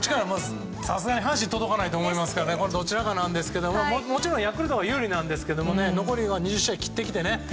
さすがに阪神は届かないと思うのでどちらかだと思いますがもちろんヤクルトが有利なんですけど残り２０試合切ってきて。